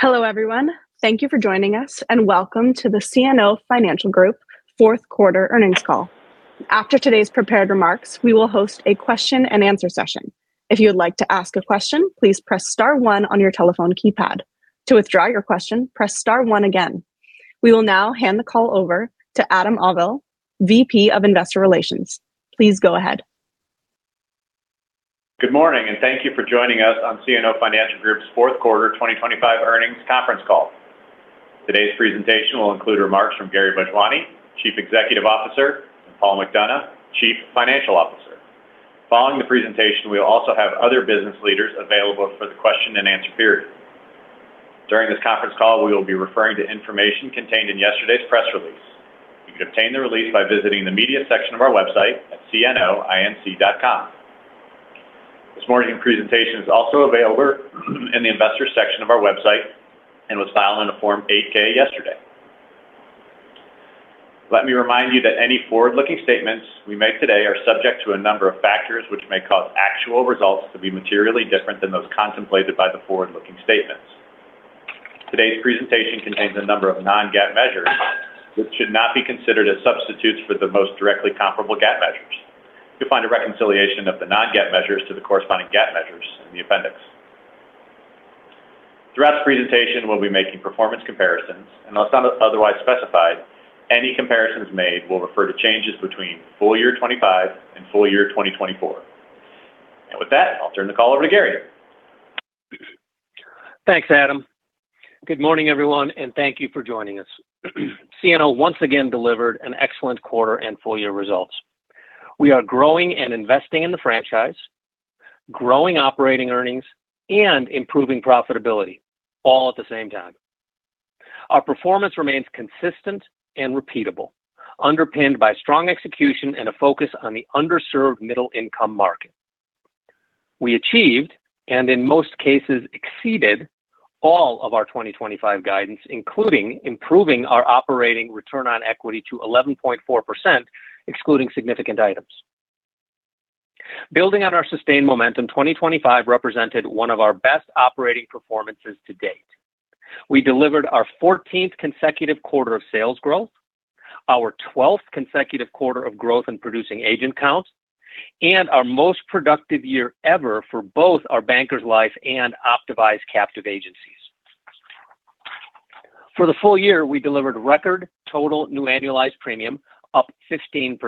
Hello everyone, thank you for joining us, and Welcome to the CNO Financial Group Fourth Quarter Earnings Call. After today's prepared remarks, we will host a Q&A session. If you would like to ask a question, please press star one on your telephone keypad. To withdraw your question, press star one again. We will now hand the call over to Adam Auvil, VP of Investor Relations. Please go ahead. Good morning, and thank you for joining us on CNO Financial Group's Fourth Quarter 2025 Earnings Conference Call. Today's presentation will include remarks from Gary Bhojwani, Chief Executive Officer, and Paul McDonough, Chief Financial Officer. Following the presentation, we will also have other business leaders available for the Q&A period. During this conference call, we will be referring to information contained in yesterday's press release. You can obtain the release by visiting the media section of our website at cnoinc.com. This morning's presentation is also available in the investors section of our website and was filed in a Form 8-K yesterday. Let me remind you that any forward-looking statements we make today are subject to a number of factors which may cause actual results to be materially different than those contemplated by the forward-looking statements. Today's presentation contains a number of non-GAAP measures, which should not be considered as substitutes for the most directly comparable GAAP measures. You'll find a reconciliation of the non-GAAP measures to the corresponding GAAP measures in the appendix. Throughout the presentation, we'll be making performance comparisons, and unless otherwise specified, any comparisons made will refer to changes between full year 2025 and full year 2024. With that, I'll turn the call over to Gary. Thanks, Adam. Good morning everyone, and thank you for joining us. CNO once again delivered an excellent quarter and full year results. We are growing and investing in the franchise, growing operating earnings, and improving profitability, all at the same time. Our performance remains consistent and repeatable, underpinned by strong execution and a focus on the underserved middle-income market. We achieved, and in most cases exceeded, all of our 2025 guidance, including improving our operating return on equity to 11.4%, excluding significant items. Building on our sustained momentum, 2025 represented one of our best operating performances to date. We delivered our 14th consecutive quarter of sales growth, our 12th consecutive quarter of growth in producing agent count, and our most productive year ever for both our Bankers Life and Optavise captive agencies. For the full year, we delivered record total new annualized premium, up 15%.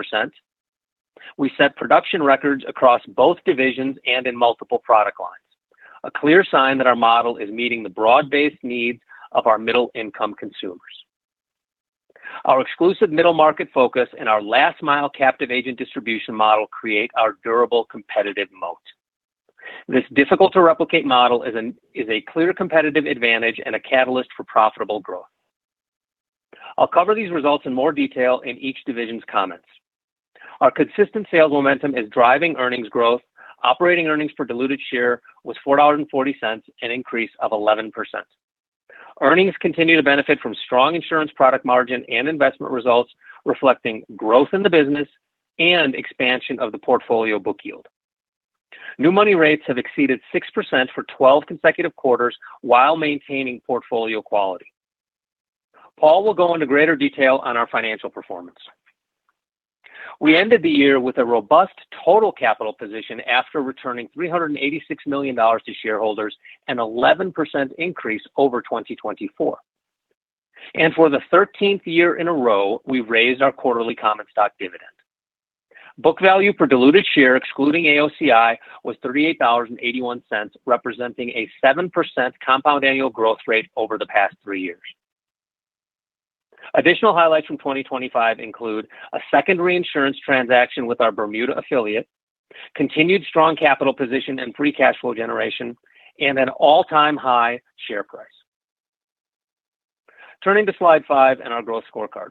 We set production records across both divisions and in multiple product lines, a clear sign that our model is meeting the broad-based needs of our middle-income consumers. Our exclusive middle-market focus and our last-mile captive agent distribution model create our durable competitive moat. This difficult-to-replicate model is a clear competitive advantage and a catalyst for profitable growth. I'll cover these results in more detail in each division's comments. Our consistent sales momentum is driving earnings growth. Operating earnings per diluted share was $4.40, an increase of 11%. Earnings continue to benefit from strong insurance product margin and investment results, reflecting growth in the business and expansion of the portfolio book yield. New money rates have exceeded 6% for 12 consecutive quarters while maintaining portfolio quality. Paul will go into greater detail on our financial performance. We ended the year with a robust total capital position after returning $386 million to shareholders, an 11% increase over 2024. For the 13th year in a row, we raised our quarterly common stock dividend. Book value per diluted share, excluding AOCI, was $38.81, representing a 7% compound annual growth rate over the past three years. Additional highlights from 2025 include a second reinsurance transaction with our Bermuda affiliate, continued strong capital position and free cash flow generation, and an all-time high share price. Turning to slide five and our growth scorecard,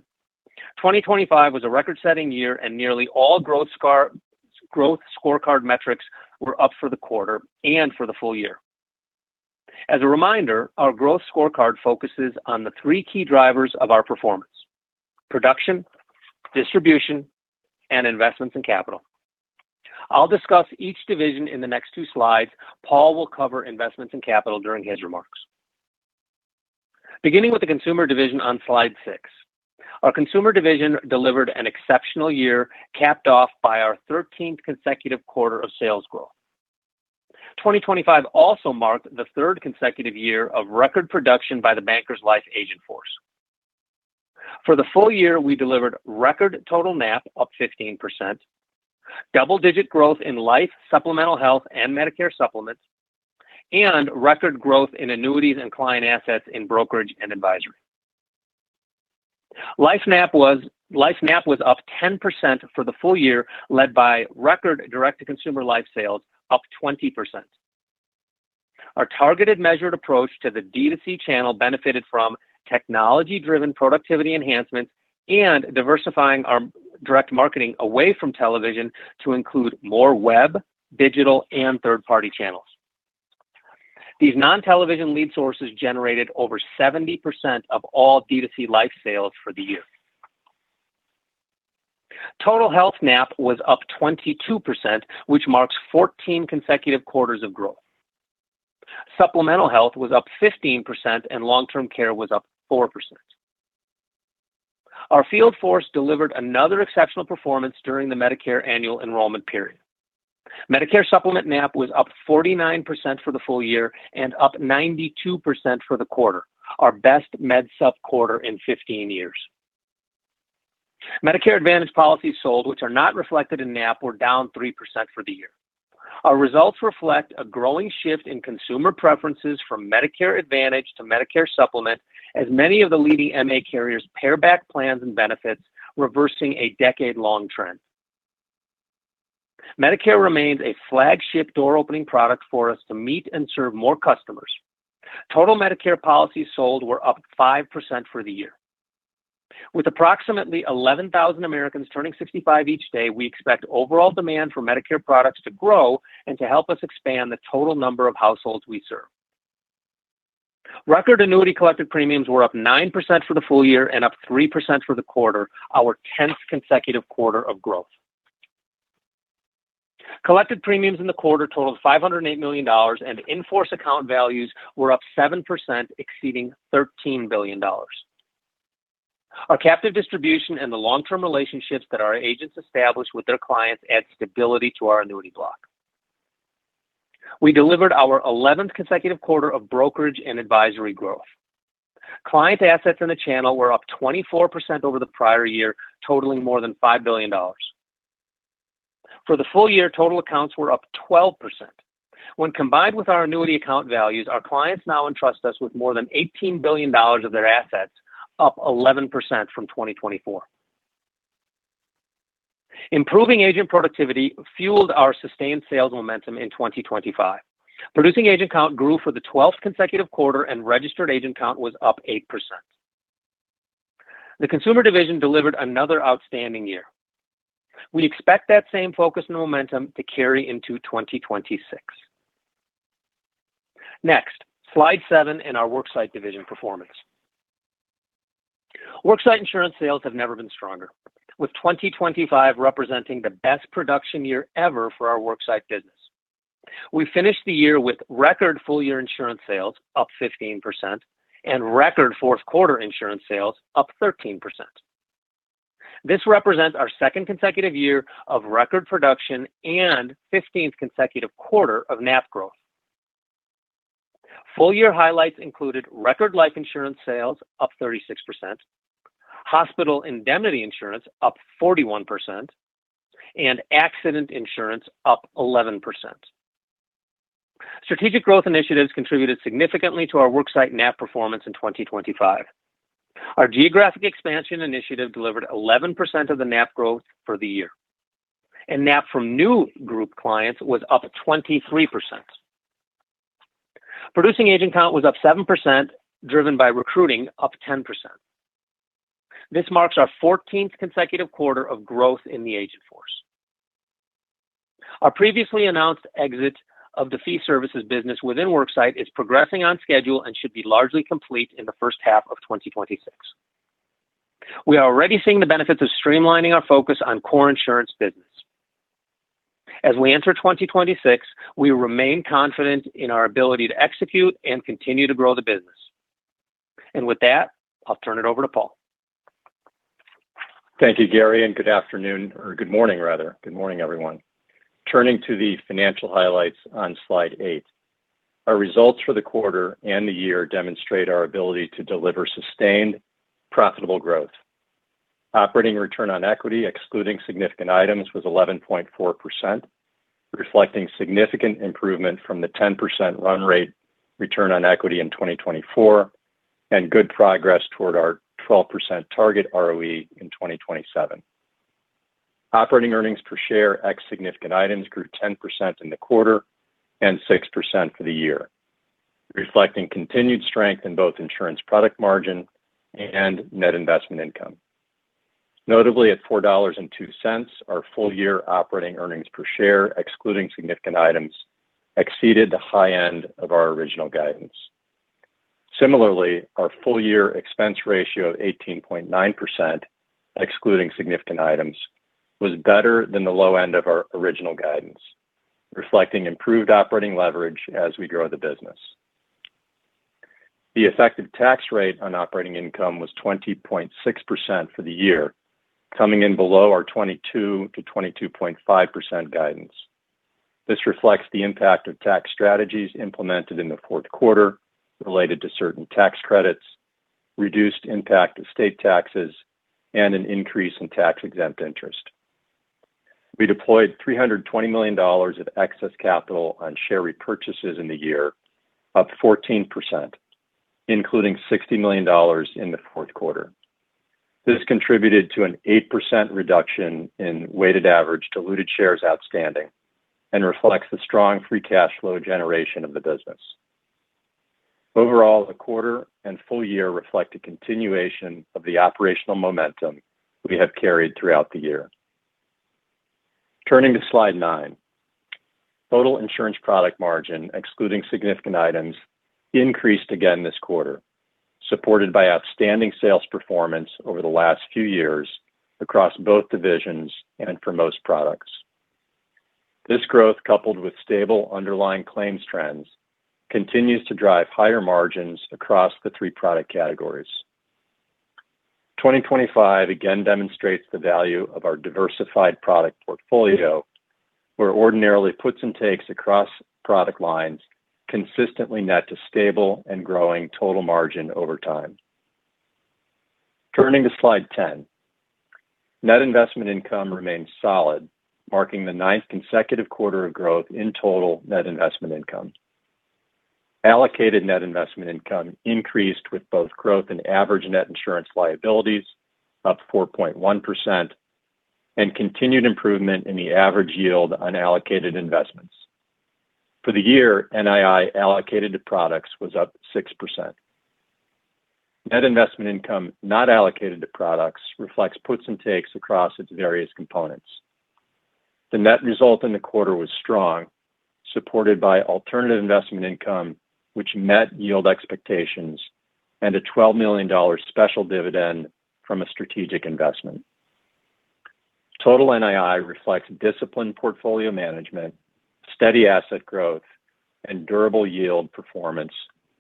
2025 was a record-setting year, and nearly all growth scorecard metrics were up for the quarter and for the full year. As a reminder, our growth scorecard focuses on the three key drivers of our performance: production, distribution, and investments in capital. I'll discuss each division in the next two slides. Paul will cover investments in capital during his remarks. Beginning with the consumer division on slide six, our consumer division delivered an exceptional year, capped off by our 13th consecutive quarter of sales growth. 2025 also marked the third consecutive year of record production by the Bankers Life agent force. For the full year, we delivered record total NAP, up 15%, double-digit growth in Life, Supplemental Health, and Medicare Supplements, and record growth in annuities and client assets in brokerage and advisory. Life NAP was up 10% for the full year, led by record direct-to-consumer life sales, up 20%. Our targeted measured approach to the D2C channel benefited from technology-driven productivity enhancements and diversifying our direct marketing away from television to include more web, digital, and third-party channels. These non-television lead sources generated over 70% of all D2C life sales for the year. Total health NAP was up 22%, which marks 14 consecutive quarters of growth. Supplemental health was up 15%, and long-term care was up 4%. Our field force delivered another exceptional performance during the Medicare annual enrollment period. Medicare Supplement NAP was up 49% for the full year and up 92% for the quarter, our best Med Supp quarter in 15 years. Medicare Advantage policies sold, which are not reflected in NAP, were down 3% for the year. Our results reflect a growing shift in consumer preferences from Medicare Advantage to Medicare Supplement, as many of the leading MA carriers pare back plans and benefits, reversing a decade-long trend. Medicare remains a flagship door-opening product for us to meet and serve more customers. Total Medicare policies sold were up 5% for the year. With approximately 11,000 Americans turning 65 each day, we expect overall demand for Medicare products to grow and to help us expand the total number of households we serve. Record annuity collected premiums were up 9% for the full year and up 3% for the quarter, our 10th consecutive quarter of growth. Collected premiums in the quarter totaled $508 million, and in-force account values were up 7%, exceeding $13 billion. Our captive distribution and the long-term relationships that our agents establish with their clients add stability to our annuity block. We delivered our 11th consecutive quarter of brokerage and advisory growth. Client assets in the channel were up 24% over the prior year, totaling more than $5 billion. For the full year, total accounts were up 12%. When combined with our annuity account values, our clients now entrust us with more than $18 billion of their assets, up 11% from 2024. Improving agent productivity fueled our sustained sales momentum in 2025. Producing agent count grew for the 12th consecutive quarter, and registered agent count was up 8%. The consumer division delivered another outstanding year. We expect that same focus and momentum to carry into 2026. Next, slide seven, and our worksite division performance. Worksite insurance sales have never been stronger, with 2025 representing the best production year ever for our worksite business. We finished the year with record full-year insurance sales, up 15%, and record fourth quarter insurance sales, up 13%. This represents our second consecutive year of record production and 15th consecutive quarter of NAP growth. Full-year highlights included record life insurance sales, up 36%, hospital indemnity insurance, up 41%, and accident insurance, up 11%. Strategic growth initiatives contributed significantly to our worksite NAP performance in 2025. Our geographic expansion initiative delivered 11% of the NAP growth for the year, and NAP from new group clients was up 23%. Producing agent count was up 7%, driven by recruiting, up 10%. This marks our 14th consecutive quarter of growth in the agent force. Our previously announced exit of the fee services business within worksite is progressing on schedule and should be largely complete in the first half of 2026. We are already seeing the benefits of streamlining our focus on core insurance business. As we enter 2026, we remain confident in our ability to execute and continue to grow the business. With that, I'll turn it over to Paul. Thank you, Gary, and good afternoon or good morning, rather. Good morning, everyone. Turning to the financial highlights on slide eight, our results for the quarter and the year demonstrate our ability to deliver sustained, profitable growth. Operating return on equity, excluding significant items, was 11.4%, reflecting significant improvement from the 10% run rate return on equity in 2024 and good progress toward our 12% target ROE in 2027. Operating earnings per share ex significant items grew 10% in the quarter and 6% for the year, reflecting continued strength in both insurance product margin and net investment income. Notably, at $4.02, our full-year operating earnings per share, excluding significant items, exceeded the high end of our original guidance. Similarly, our full-year expense ratio of 18.9%, excluding significant items, was better than the low end of our original guidance, reflecting improved operating leverage as we grow the business. The effective tax rate on operating income was 20.6% for the year, coming in below our 22%-22.5% guidance. This reflects the impact of tax strategies implemented in the fourth quarter related to certain tax credits, reduced impact of state taxes, and an increase in tax-exempt interest. We deployed $320 million of excess capital on share repurchases in the year, up 14%, including $60 million in the fourth quarter. This contributed to an 8% reduction in weighted average diluted shares outstanding and reflects the strong free cash flow generation of the business. Overall, the quarter and full year reflect a continuation of the operational momentum we have carried throughout the year. Turning to slide nine, total insurance product margin, excluding significant items, increased again this quarter, supported by outstanding sales performance over the last few years across both divisions and for most products. This growth, coupled with stable underlying claims trends, continues to drive higher margins across the three product categories. 2025 again demonstrates the value of our diversified product portfolio, where ordinarily puts and takes across product lines consistently net to stable and growing total margin over time. Turning to slide 10, net investment income remains solid, marking the ninth consecutive quarter of growth in total net investment income. Allocated net investment income increased with both growth and average net insurance liabilities, up 4.1%, and continued improvement in the average yield on allocated investments. For the year, NII allocated to products was up 6%. Net investment income not allocated to products reflects puts and takes across its various components. The net result in the quarter was strong, supported by alternative investment income, which met yield expectations, and a $12 million special dividend from a strategic investment. Total NII reflects disciplined portfolio management, steady asset growth, and durable yield performance,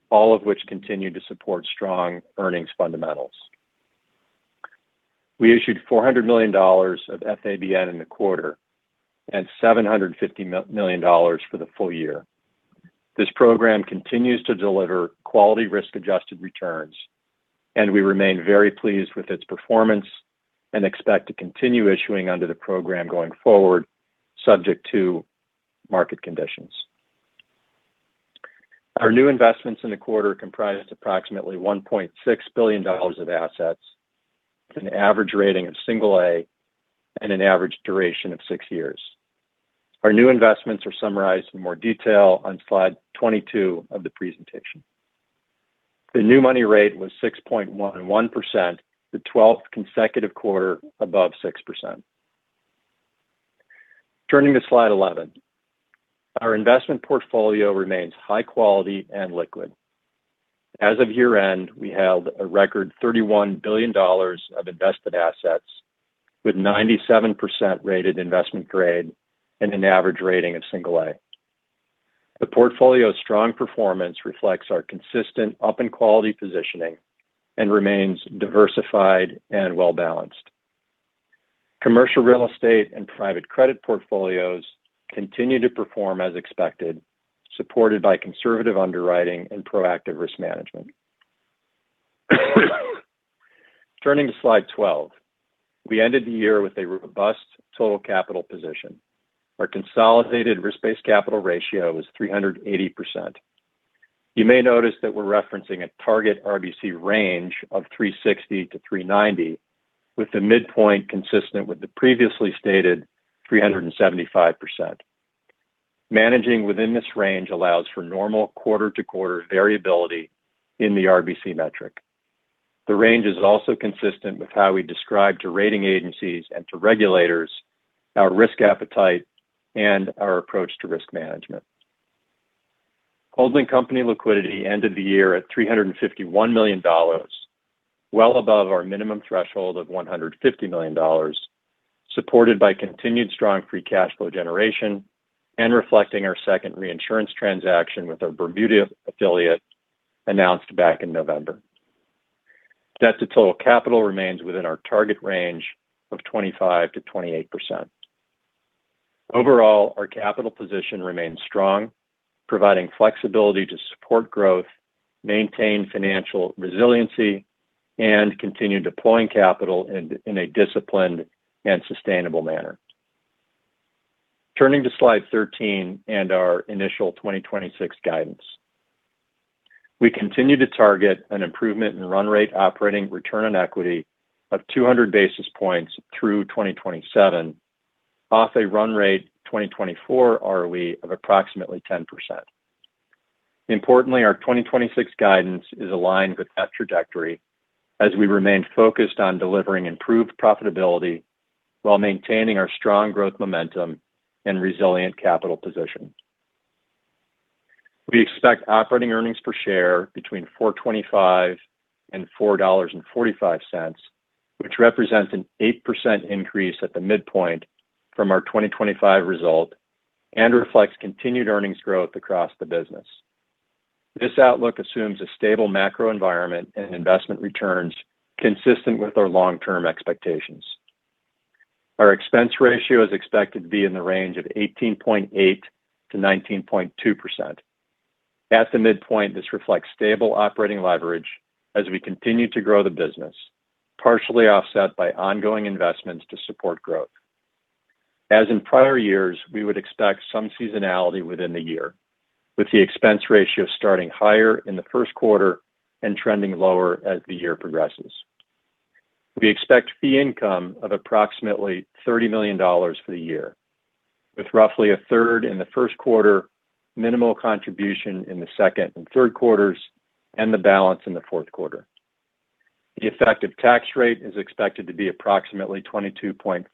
all of which continue to support strong earnings fundamentals. We issued $400 million of FABN in the quarter and $750 million for the full year. This program continues to deliver quality risk-adjusted returns, and we remain very pleased with its performance and expect to continue issuing under the program going forward, subject to market conditions. Our new investments in the quarter comprise approximately $1.6 billion of assets, an average rating of single A, and an average duration of six years. Our new investments are summarized in more detail on slide 22 of the presentation. The new money rate was 6.11%, the 12th consecutive quarter above 6%. Turning to slide 11, our investment portfolio remains high quality and liquid. As of year-end, we held a record $31 billion of invested assets with 97% rated investment grade and an average rating of single A. The portfolio's strong performance reflects our consistent up-in-quality positioning and remains diversified and well-balanced. Commercial real estate and private credit portfolios continue to perform as expected, supported by conservative underwriting and proactive risk management. Turning to slide 12, we ended the year with a robust total capital position. Our consolidated risk-based capital ratio was 380%. You may notice that we're referencing a target RBC range of 360%-390%, with the midpoint consistent with the previously stated 375%. Managing within this range allows for normal quarter-to-quarter variability in the RBC metric. The range is also consistent with how we describe to rating agencies and to regulators our risk appetite and our approach to risk management. Holding company liquidity ended the year at $351 million, well above our minimum threshold of $150 million, supported by continued strong free cash flow generation and reflecting our second reinsurance transaction with our Bermuda affiliate announced back in November. Debt to total capital remains within our target range of 25%-28%. Overall, our capital position remains strong, providing flexibility to support growth, maintain financial resiliency, and continue deploying capital in a disciplined and sustainable manner. Turning to slide 13 and our initial 2026 guidance, we continue to target an improvement in run rate operating return on equity of 200 basis points through 2027, off a run rate 2024 ROE of approximately 10%. Importantly, our 2026 guidance is aligned with that trajectory as we remain focused on delivering improved profitability while maintaining our strong growth momentum and resilient capital position. We expect operating earnings per share between $4.25 and $4.45, which represents an 8% increase at the midpoint from our 2025 result and reflects continued earnings growth across the business. This outlook assumes a stable macro environment and investment returns consistent with our long-term expectations. Our expense ratio is expected to be in the range of 18.8%-19.2%. At the midpoint, this reflects stable operating leverage as we continue to grow the business, partially offset by ongoing investments to support growth. As in prior years, we would expect some seasonality within the year, with the expense ratio starting higher in the first quarter and trending lower as the year progresses. We expect fee income of approximately $30 million for the year, with roughly a third in the first quarter, minimal contribution in the second and third quarters, and the balance in the fourth quarter. The effective tax rate is expected to be approximately 22.5%.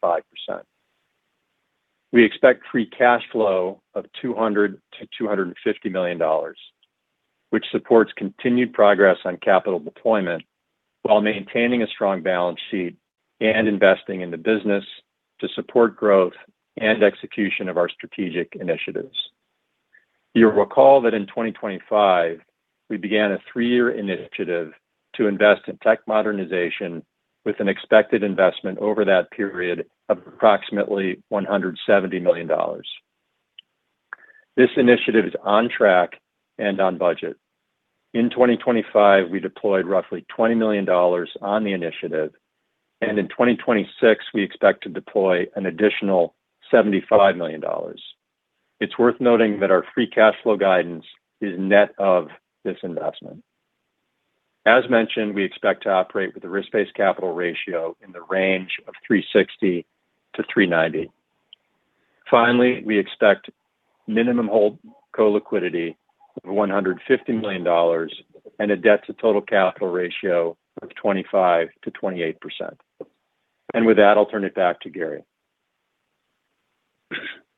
We expect free cash flow of $200 to $250 million, which supports continued progress on capital deployment while maintaining a strong balance sheet and investing in the business to support growth and execution of our strategic initiatives. You'll recall that in 2025, we began a three-year initiative to invest in tech modernization with an expected investment over that period of approximately $170 million. This initiative is on track and on budget. In 2025, we deployed roughly $20 million on the initiative, and in 2026, we expect to deploy an additional $75 million. It's worth noting that our free cash flow guidance is net of this investment. As mentioned, we expect to operate with a risk-based capital ratio in the range of 360-390. Finally, we expect minimum holdco liquidity of $150 million and a debt to total capital ratio of 25%-28%. And with that, I'll turn it back to Gary.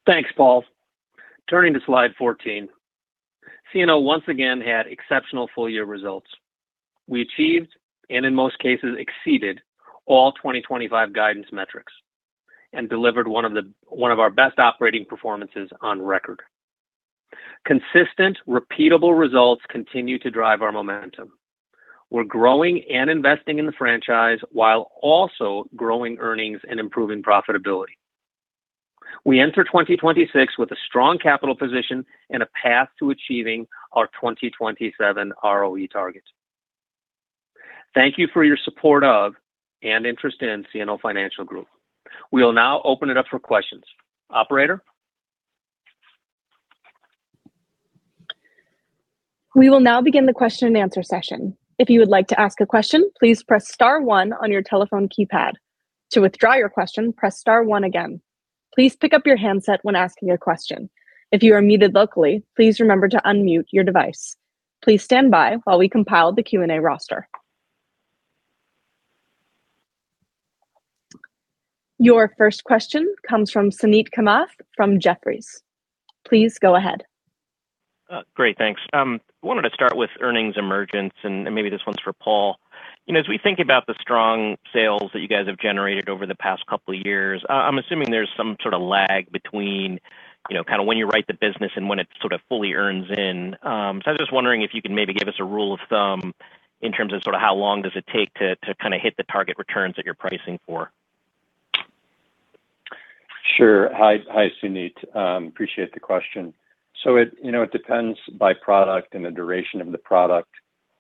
Thanks, Paul. Turning to slide 14, CNO once again had exceptional full-year results. We achieved and in most cases exceeded all 2025 guidance metrics and delivered one of our best operating performances on record. Consistent, repeatable results continue to drive our momentum. We're growing and investing in the franchise while also growing earnings and improving profitability. We enter 2026 with a strong capital position and a path to achieving our 2027 ROE target. Thank you for your support of and interest in CNO Financial Group. We will now open it up for questions. Operator? We will now begin the Q&A session. If you would like to ask a question, please press star one on your telephone keypad. To withdraw your question, press star one again. Please pick up your handset when asking a question. If you are muted locally, please remember to unmute your device. Please stand by while we compile the Q&A roster. Your first question comes from Suneet Kamath from Jefferies. Please go ahead. Great, thanks. I wanted to start with earnings emergence, and maybe this one's for Paul. As we think about the strong sales that you guys have generated over the past couple of years, I'm assuming there's some sort of lag between kind of when you write the business and when it sort of fully earns in. So I was just wondering if you can maybe give us a rule of thumb in terms of sort of how long does it take to kind of hit the target returns that you're pricing for? Sure. Hi, Suneet. Appreciate the question. So it depends by product and the duration of the product.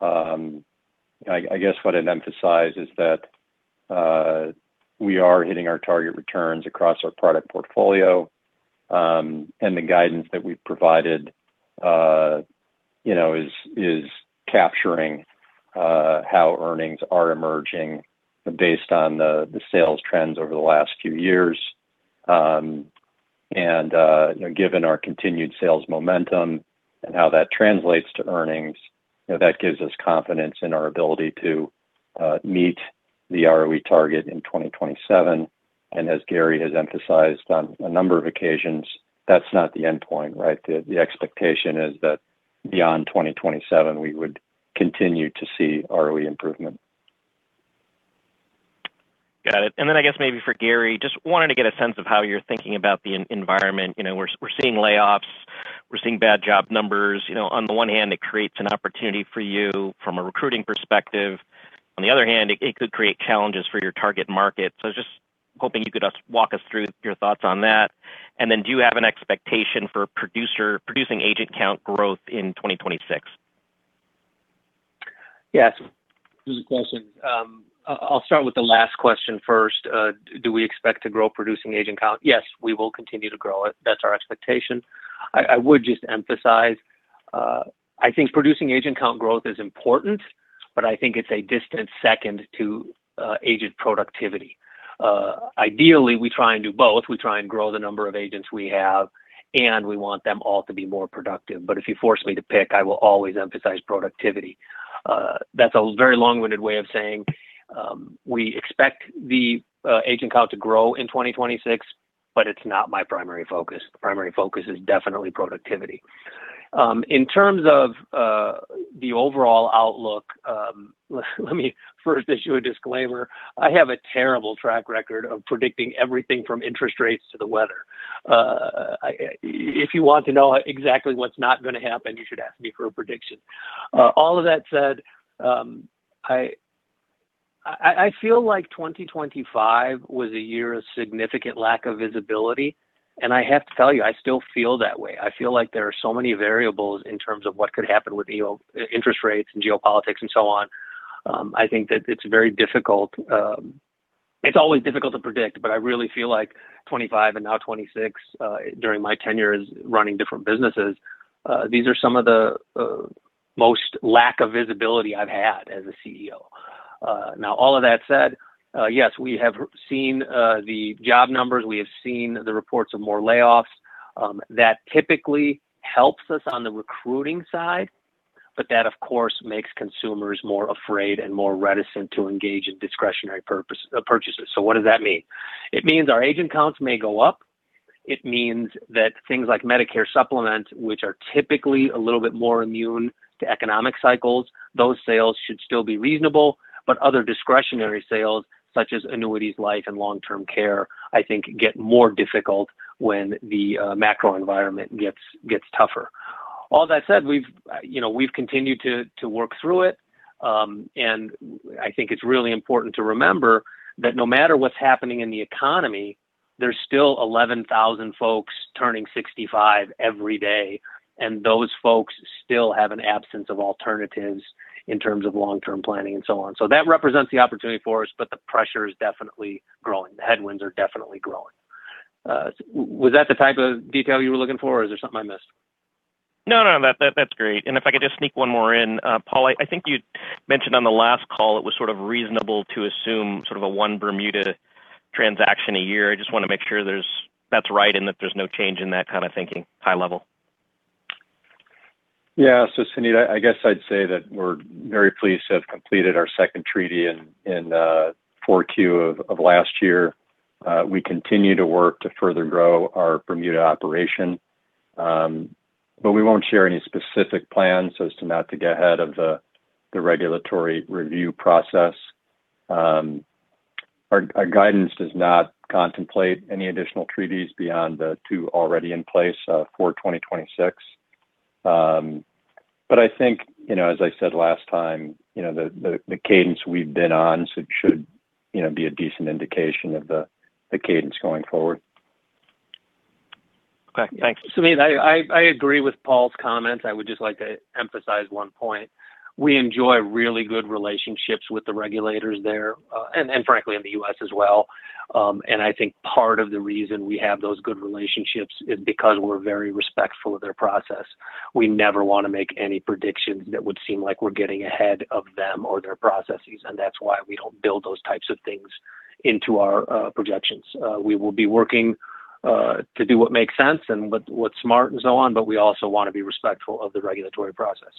I guess what it emphasizes is that we are hitting our target returns across our product portfolio, and the guidance that we've provided is capturing how earnings are emerging based on the sales trends over the last few years. And given our continued sales momentum and how that translates to earnings, that gives us confidence in our ability to meet the ROE target in 2027. And as Gary has emphasized on a number of occasions, that's not the endpoint, right? The expectation is that beyond 2027, we would continue to see ROE improvement. Got it. And then I guess maybe for Gary, just wanted to get a sense of how you're thinking about the environment. We're seeing layoffs. We're seeing bad job numbers. On the one hand, it creates an opportunity for you from a recruiting perspective. On the other hand, it could create challenges for your target market. So I was just hoping you could walk us through your thoughts on that. And then do you have an expectation for producing agent count growth in 2026? Yes. Here's a question. I'll start with the last question first. Do we expect to grow producing agent count? Yes, we will continue to grow it. That's our expectation. I would just emphasize, I think producing agent count growth is important, but I think it's a distant second to agent productivity. Ideally, we try and do both. We try and grow the number of agents we have, and we want them all to be more productive. But if you force me to pick, I will always emphasize productivity. That's a very long-winded way of saying we expect the agent count to grow in 2026, but it's not my primary focus. The primary focus is definitely productivity. In terms of the overall outlook, let me first issue a disclaimer. I have a terrible track record of predicting everything from interest rates to the weather. If you want to know exactly what's not going to happen, you should ask me for a prediction. All of that said, I feel like 2025 was a year of significant lack of visibility. I have to tell you, I still feel that way. I feel like there are so many variables in terms of what could happen with interest rates and geopolitics and so on. I think that it's very difficult. It's always difficult to predict, but I really feel like 2025 and now 2026, during my tenure as running different businesses, these are some of the most lack of visibility I've had as a CEO. Now, all of that said, yes, we have seen the job numbers. We have seen the reports of more layoffs. That typically helps us on the recruiting side, but that, of course, makes consumers more afraid and more reticent to engage in discretionary purchases. So what does that mean? It means our agent counts may go up. It means that things like Medicare Supplements, which are typically a little bit more immune to economic cycles, those sales should still be reasonable. But other discretionary sales, such as annuities, life, and long-term care, I think get more difficult when the macro environment gets tougher. All that said, we've continued to work through it. And I think it's really important to remember that no matter what's happening in the economy, there's still 11,000 folks turning 65 every day, and those folks still have an absence of alternatives in terms of long-term planning and so on. So that represents the opportunity for us, but the pressure is definitely growing. The headwinds are definitely growing. Was that the type of detail you were looking for, or is there something I missed? No, no, no. That's great. If I could just sneak one more in, Paul, I think you mentioned on the last call it was sort of reasonable to assume sort of a one Bermuda transaction a year. I just want to make sure that's right and that there's no change in that kind of thinking high level. Yeah. So, Suneet, I guess I'd say that we're very pleased to have completed our second treaty in Q4 of last year. We continue to work to further grow our Bermuda operation, but we won't share any specific plans so as not to get ahead of the regulatory review process. Our guidance does not contemplate any additional treaties beyond the two already in place for 2026. But I think, as I said last time, the cadence we've been on should be a decent indication of the cadence going forward. Okay. Thanks. Suneet, I agree with Paul's comments. I would just like to emphasize one point. We enjoy really good relationships with the regulators there, and frankly, in the U.S. as well. I think part of the reason we have those good relationships is because we're very respectful of their process. We never want to make any predictions that would seem like we're getting ahead of them or their processes. And that's why we don't build those types of things into our projections. We will be working to do what makes sense and what's smart and so on, but we also want to be respectful of the regulatory process.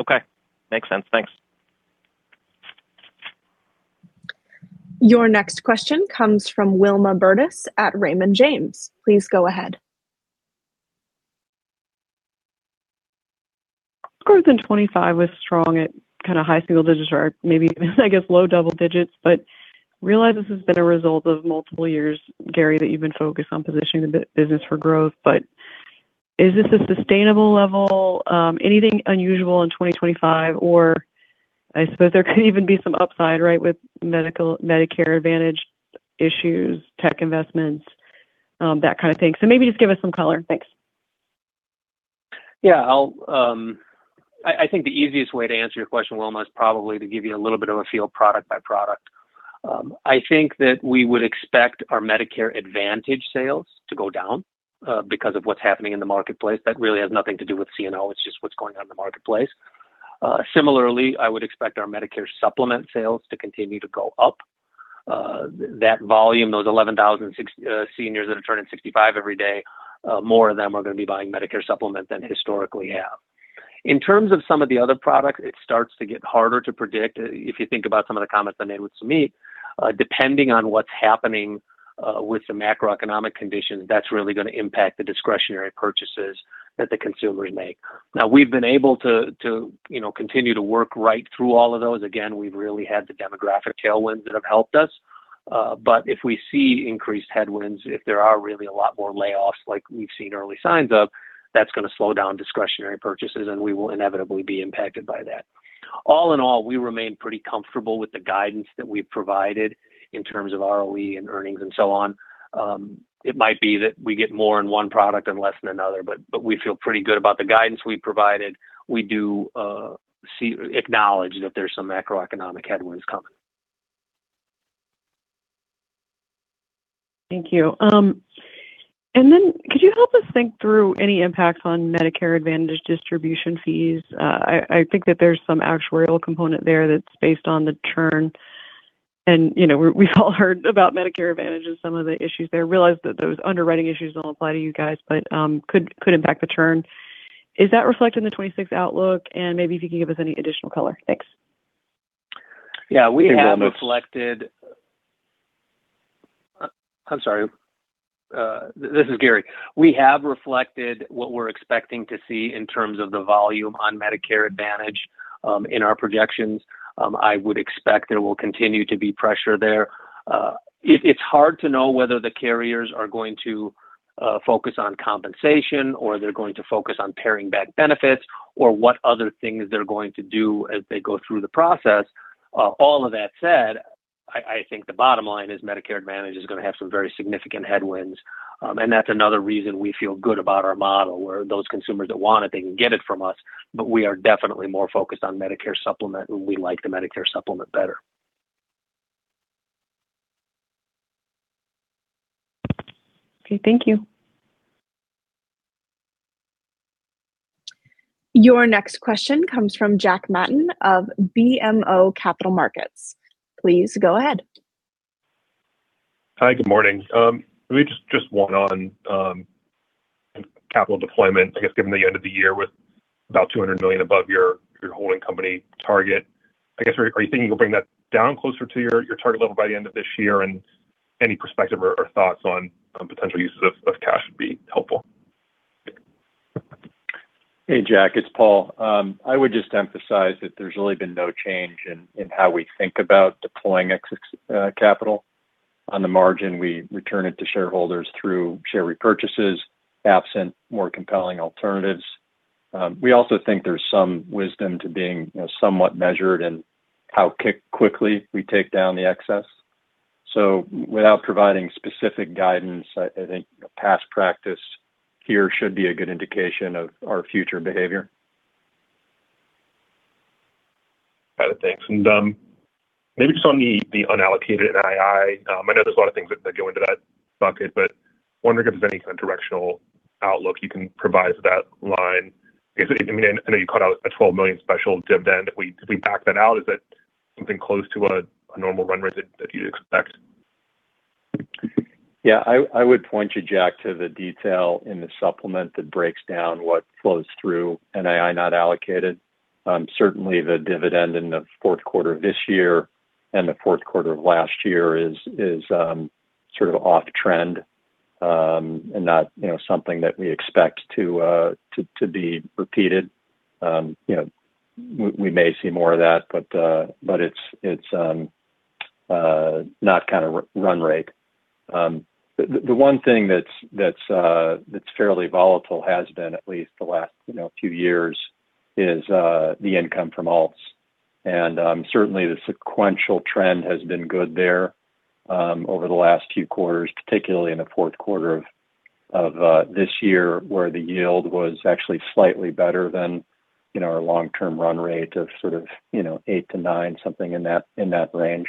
Okay. Makes sense. Thanks. Your next question comes from Wilma Burdis at Raymond James. Please go ahead. Growth in 2025 was strong at kind of high single digits or maybe, I guess, low double digits. But realize this has been a result of multiple years, Gary, that you've been focused on positioning the business for growth. But is this a sustainable level? Anything unusual in 2025? Or I suppose there could even be some upside, right, with Medicare Advantage issues, tech investments, that kind of thing. So maybe just give us some color. Thanks. Yeah. I think the easiest way to answer your question, Wilma, is probably to give you a little bit of a feel product by product. I think that we would expect our Medicare Advantage sales to go down because of what's happening in the marketplace. That really has nothing to do with CNO. It's just what's going on in the marketplace. Similarly, I would expect our Medicare Supplement sales to continue to go up. That volume, those 11,000 seniors that are turning 65 every day, more of them are going to be buying Medicare Supplement than historically have. In terms of some of the other products, it starts to get harder to predict. If you think about some of the comments I made with Suneet, depending on what's happening with the macroeconomic conditions, that's really going to impact the discretionary purchases that the consumers make. Now, we've been able to continue to work right through all of those. Again, we've really had the demographic tailwinds that have helped us. But if we see increased headwinds, if there are really a lot more layoffs like we've seen early signs of, that's going to slow down discretionary purchases, and we will inevitably be impacted by that. All in all, we remain pretty comfortable with the guidance that we've provided in terms of ROE and earnings and so on. It might be that we get more in one product and less in another, but we feel pretty good about the guidance we've provided. We do acknowledge that there's some macroeconomic headwinds coming. Thank you. And then could you help us think through any impacts on Medicare Advantage distribution fees? I think that there's some actuarial component there that's based on the churn. And we've all heard about Medicare Advantage and some of the issues there. Realize that those underwriting issues don't apply to you guys, but could impact the churn. Is that reflected in the 2026 outlook? And maybe if you can give us any additional color. Thanks. Yeah. We have reflected. I'm sorry. This is Gary. We have reflected what we're expecting to see in terms of the volume on Medicare Advantage in our projections. I would expect there will continue to be pressure there. It's hard to know whether the carriers are going to focus on compensation or they're going to focus on paring back benefits or what other things they're going to do as they go through the process. All of that said, I think the bottom line is Medicare Advantage is going to have some very significant headwinds. And that's another reason we feel good about our model, where those consumers that want it, they can get it from us, but we are definitely more focused on Medicare Supplement, and we like the Medicare Supplement better. Okay. Thank you. Your next question comes from Jack Matten of BMO Capital Markets. Please go ahead. Hi. Good morning. Let me just touch on capital deployment, I guess, given the end of the year with about $200 million above your holding company target. I guess, are you thinking you'll bring that down closer to your target level by the end of this year? And any perspective or thoughts on potential uses of cash would be helpful. Hey, Jack. It's Paul. I would just emphasize that there's really been no change in how we think about deploying capital. On the margin, we return it to shareholders through share repurchases, absent more compelling alternatives. We also think there's some wisdom to being somewhat measured in how quickly we take down the excess. So without providing specific guidance, I think past practice here should be a good indication of our future behavior. Got it. Thanks. And maybe just on the unallocated NII, I know there's a lot of things that go into that bucket, but wondering if there's any kind of directional outlook you can provide for that line. I mean, I know you cut out a $12 million special dividend. If we back that out, is that something close to a normal run rate that you'd expect? Yeah. I would point you, Jack, to the detail in the supplement that breaks down what flows through NII not allocated. Certainly, the dividend in the fourth quarter of this year and the fourth quarter of last year is sort of off-trend and not something that we expect to be repeated. We may see more of that, but it's not kind of run rate. The one thing that's fairly volatile has been, at least the last few years, is the income from ALTS. And certainly, the sequential trend has been good there over the last few quarters, particularly in the fourth quarter of this year where the yield was actually slightly better than our long-term run rate of sort of eight to nine, something in that range.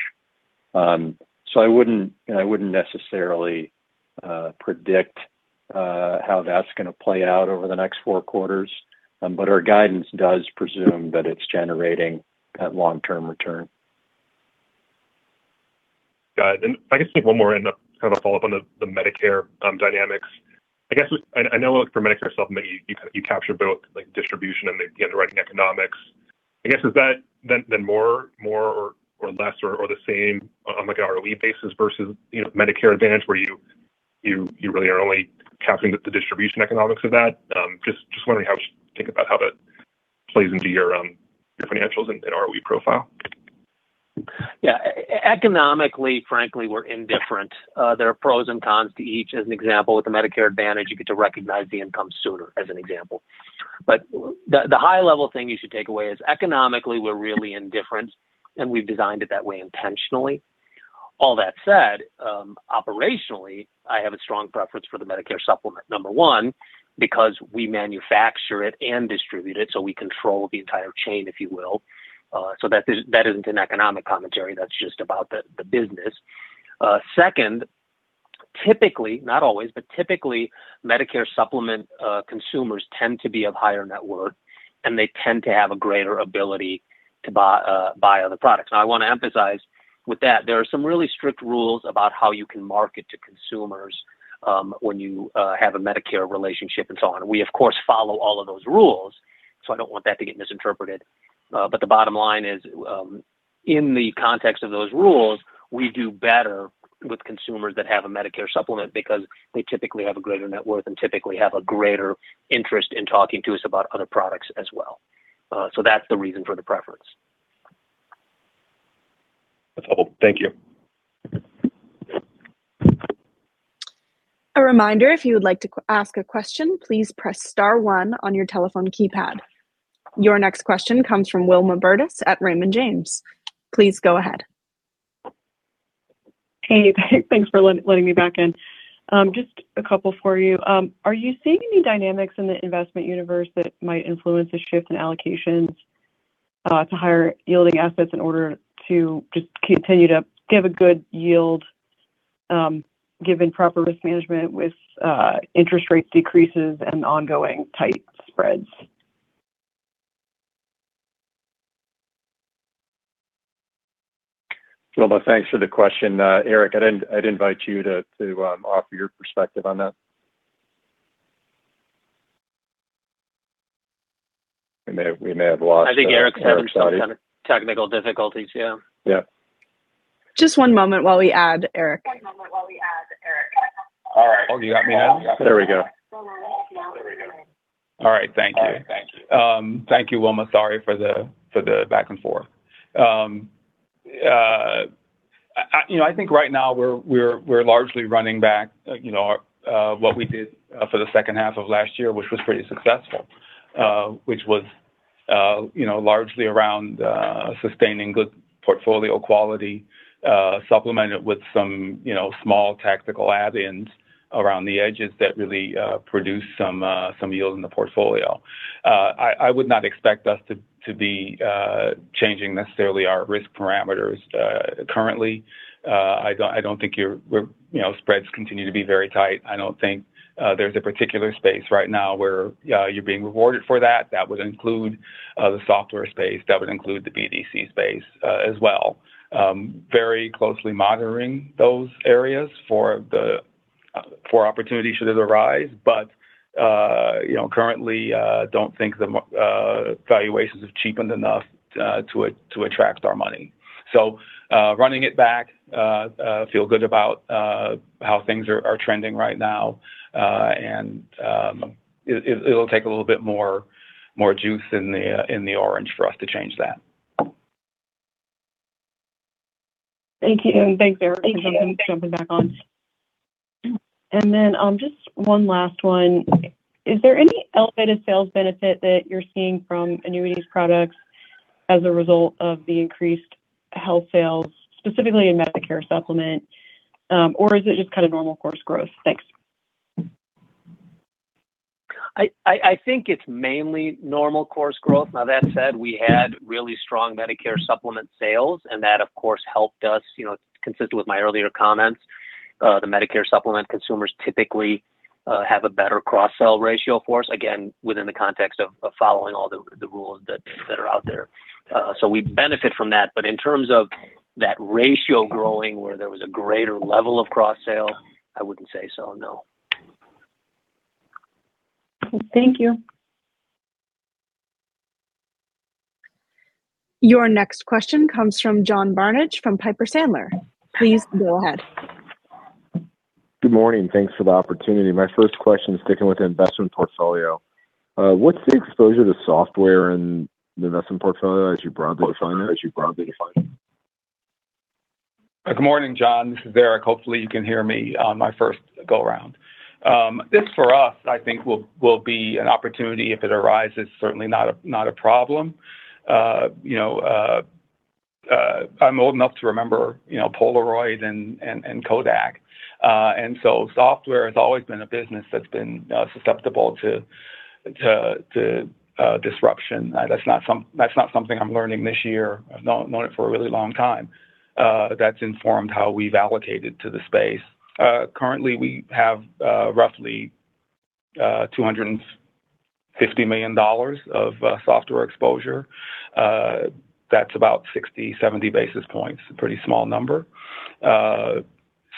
I wouldn't necessarily predict how that's going to play out over the next four quarters, but our guidance does presume that it's generating that long-term return. Got it. And I guess just one more kind of a follow-up on the Medicare dynamics. I guess I know for Medicare Supplement, you capture both distribution and the underwriting economics. I guess is that then more or less or the same on an ROE basis versus Medicare Advantage where you really are only capturing the distribution economics of that? Just wondering how you think about how that plays into your financials and ROE profile? Yeah. Economically, frankly, we're indifferent. There are pros and cons to each. As an example, with the Medicare Advantage, you get to recognize the income sooner, as an example. But the high-level thing you should take away is economically, we're really indifferent, and we've designed it that way intentionally. All that said, operationally, I have a strong preference for the Medicare Supplement, number one, because we manufacture it and distribute it, so we control the entire chain, if you will. So that isn't an economic commentary. That's just about the business. Second, typically not always, but typically, Medicare Supplement consumers tend to be of higher net worth, and they tend to have a greater ability to buy other products. Now, I want to emphasize with that, there are some really strict rules about how you can market to consumers when you have a Medicare relationship and so on. We, of course, follow all of those rules, so I don't want that to get misinterpreted. But the bottom line is, in the context of those rules, we do better with consumers that have a Medicare Supplement because they typically have a greater net worth and typically have a greater interest in talking to us about other products as well. So that's the reason for the preference. That's helpful. Thank you. A reminder, if you would like to ask a question, please press star one on your telephone keypad. Your next question comes from Wilma Burdis at Raymond James. Please go ahead. Hey. Thanks for letting me back in. Just a couple for you. Are you seeing any dynamics in the investment universe that might influence a shift in allocations to higher yielding assets in order to just continue to give a good yield given proper risk management with interest rate decreases and ongoing tight spreads? Wilma, thanks for the question. Eric, I'd invite you to offer your perspective on that. We may have lost. I think Eric's having some technical difficulties. Yeah. Yeah. Just one moment while we add Eric. Oh, you got me in? There we go. All right. Thank you. Thank you, Wilma. Sorry for the back and forth. I think right now, we're largely running back what we did for the second half of last year, which was pretty successful, which was largely around sustaining good portfolio quality, supplemented with some small tactical add ins around the edges that really produce some yield in the portfolio. I would not expect us to be changing necessarily our risk parameters currently. I don't think your spreads continue to be very tight. I don't think there's a particular space right now where you're being rewarded for that. That would include the software space. That would include the BDC space as well. Very closely monitoring those areas for opportunities should it arise, but currently, don't think the valuations have cheapened enough to attract our money. So, running it back, feel good about how things are trending right now, and it'll take a little bit more juice in the orange for us to change that. Thank you. Thanks, Eric. Thank you. Jumping back on. Then just one last one. Is there any elevated sales benefit that you're seeing from annuities products as a result of the increased health sales, specifically in Medicare Supplement, or is it just kind of normal course growth? Thanks. I think it's mainly normal course growth. Now, that said, we had really strong Medicare Supplement sales, and that, of course, helped us. It's consistent with my earlier comments. The Medicare Supplement consumers typically have a better cross-sell ratio for us, again, within the context of following all the rules that are out there. So we benefit from that. But in terms of that ratio growing where there was a greater level of cross-sale, I wouldn't say so. No. Thank you. Your next question comes from John Barnidge from Piper Sandler. Please go ahead. Good morning. Thanks for the opportunity. My first question is sticking with investment portfolio. What's the exposure to software in the investment portfolio as you broadly define it? Good morning, John. This is Eric. Hopefully, you can hear me on my first go-around. This for us, I think, will be an opportunity. If it arises, certainly not a problem. I'm old enough to remember Polaroid and Kodak. And so software has always been a business that's been susceptible to disruption. That's not something I'm learning this year. I've known it for a really long time. That's informed how we've allocated to the space. Currently, we have roughly $250 million of software exposure. That's about 60-70 basis points. It's a pretty small number.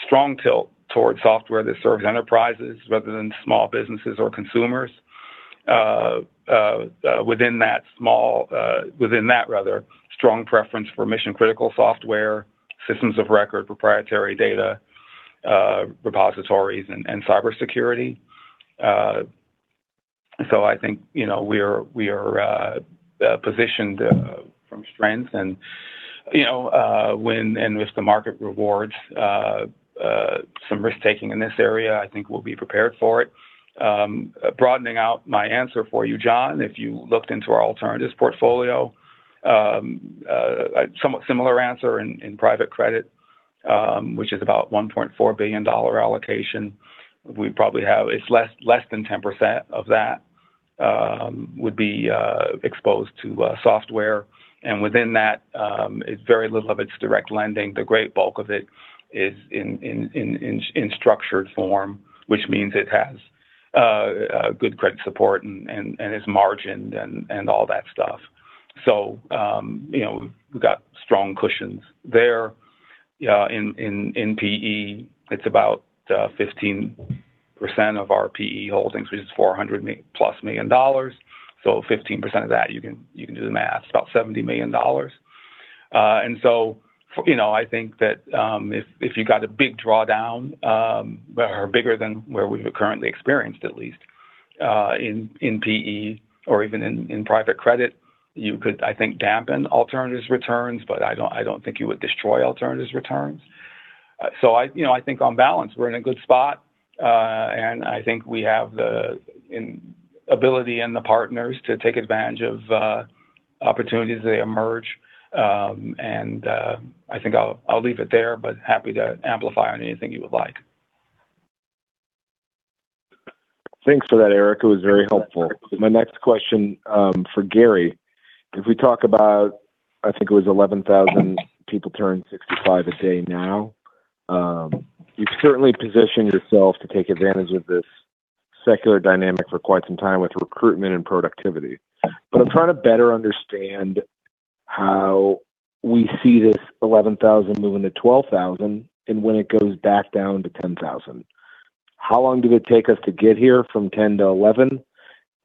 Strong tilt toward software that serves enterprises rather than small businesses or consumers. Within that, rather, strong preference for mission-critical software, systems of record, proprietary data, repositories, and cybersecurity. So I think we are positioned from strengths. And if the market rewards some risk-taking in this area, I think we'll be prepared for it. Broadening out my answer for you, John, if you looked into our alternatives portfolio, somewhat similar answer in private credit, which is about $1.4 billion allocation, we probably have it's less than 10% of that would be exposed to software. And within that, very little of its direct lending. The great bulk of it is in structured form, which means it has good credit support and is margined and all that stuff. So we've got strong cushions there. In PE, it's about 15% of our PE holdings, which is $400+ million. So 15% of that, you can do the math, it's about $70 million. And so I think that if you got a big drawdown or bigger than where we've currently experienced, at least, in PE or even in private credit, you could, I think, dampen alternatives returns, but I don't think you would destroy alternatives returns. So I think on balance, we're in a good spot, and I think we have the ability and the partners to take advantage of opportunities as they emerge. And I think I'll leave it there, but happy to amplify on anything you would like. Thanks for that, Eric. It was very helpful. My next question for Gary, if we talk about I think it was 11,000 people turning 65 a day now. You've certainly positioned yourself to take advantage of this secular dynamic for quite some time with recruitment and productivity. But I'm trying to better understand how we see this 11,000 moving to 12,000 and when it goes back down to 10,000. How long does it take us to get here from 10 to 11?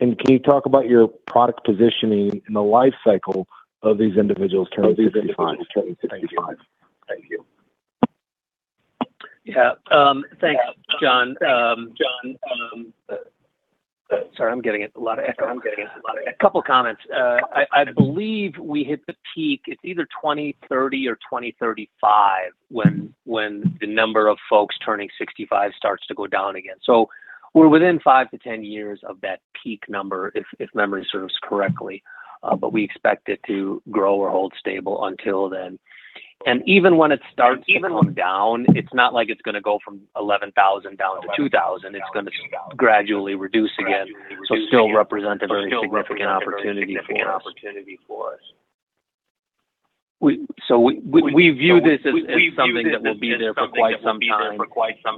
And can you talk about your product positioning in the life cycle of these individuals turning 65? Thank you. Thank you. Yeah. Thanks, John. John, sorry, I'm getting a lot of echo. I'm getting a lot of echo. A couple of comments. I believe we hit the peak. It's either 2030 or 2035 when the number of folks turning 65 starts to go down again. So we're within 5-10 years of that peak number, if memory serves correctly, but we expect it to grow or hold stable until then. And even when it starts to come down, it's not like it's going to go from 11,000 down to 2,000. It's going to gradually reduce again, so still represent a very significant opportunity for us. Very significant opportunity for us. So we view this as something that will be there for quite some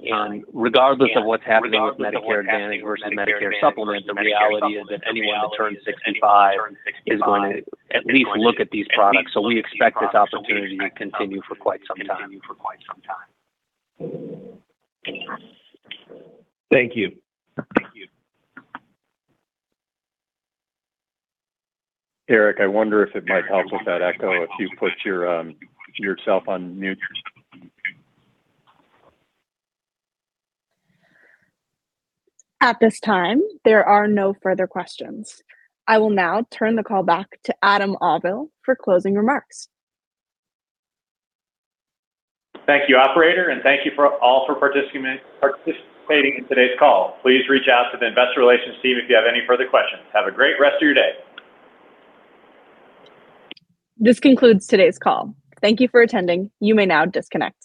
time. And regardless of what's happening with Medicare Advantage versus Medicare Supplement, the reality is that anyone that turns 65 is going to at least look at these products. So we expect this opportunity to continue for quite some time. Thank you. Thank you. Eric, I wonder if it might help with that echo if you put yourself on mute. At this time, there are no further questions. I will now turn the call back to Adam Auvil for closing remarks. Thank you, operator, and thank you all for participating in today's call. Please reach out to the investor relations team if you have any further questions. Have a great rest of your day. This concludes today's call. Thank you for attending. You may now disconnect.